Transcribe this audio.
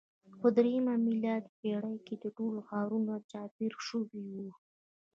په درېیمه میلادي پېړۍ کې ټول ښارونه راچاپېر شوي وو.